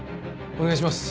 お願いします。